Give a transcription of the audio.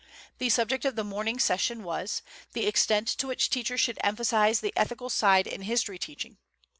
The subject of the morning session was "The Extent to Which Teachers Should Emphasize the Ethical Side in History Teaching."